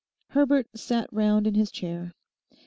Herbert sat round in his chair.